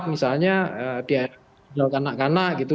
dua ribu empat misalnya dia menjelaskan anak anak gitu